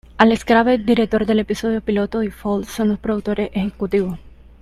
Alex Graves, director del episodio piloto, y Falls son los productores ejecutivos.